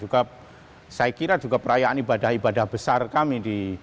saya kira juga perayaan ibadah ibadah besar kami di